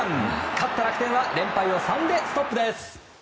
勝った楽天は連敗を３でストップです。